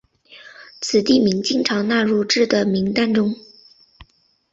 此地名经常纳入至的名单中。